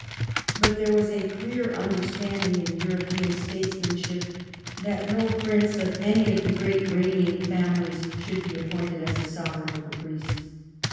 But there was a clear understanding in European statesmanship that no prince of any of the great THE IONIAN ISLANDS 211 reigning families should be appointed as a sover eign over Greece.